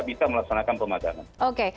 bisa melaksanakan pemagangan oke